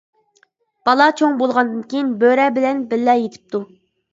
بالا چوڭ بولغاندىن كېيىن بۆرە بىلەن بىللە يېتىپتۇ.